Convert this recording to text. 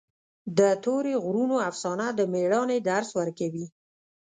د تورې غرونو افسانه د مېړانې درس ورکوي.